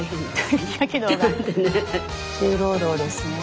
重労働ですね。